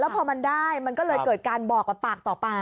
พอมันได้มันก็เลยเกิดการบอกกับปากต่อปาก